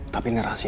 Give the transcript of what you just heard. tapi ini rahasia